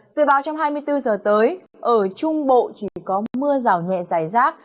dự báo trong hai mươi bốn giờ tới ở trung bộ chỉ có mưa rào nhẹ dài rác